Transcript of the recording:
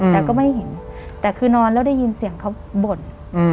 แต่ก็ไม่เห็นแต่คือนอนแล้วได้ยินเสียงเขาบ่น